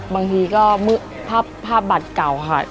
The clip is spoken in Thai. บางทีก็ภาพบัตรเก่าค่ะ